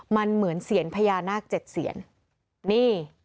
มันเหมือนเสียญพญานาคเจ็ดเซียนนี่